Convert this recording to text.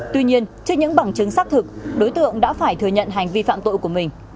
tuy nhiên trước những bằng chứng xác thực đối tượng đã phải thừa nhận hành vi phạm tội của mình